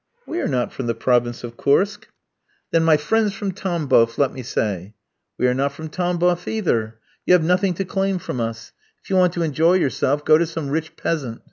"We are not from the province of Kursk." "Then my friends from Tambof, let me say?" "We are not from Tambof either. You have nothing to claim from us; if you want to enjoy yourself go to some rich peasant."